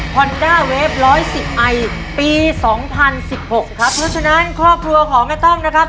อนด้าเวฟร้อยสิบไอปีสองพันสิบหกครับเพราะฉะนั้นครอบครัวของแม่ต้อมนะครับ